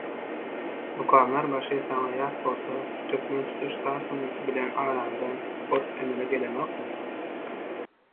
«Mukamlar başy» saňa ýat bolsa, türkmen tutuş saz sungaty bilen araňda gorp emele gelenokmy?